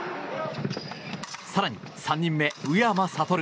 更に３人目、宇山賢。